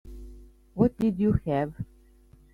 What did you have?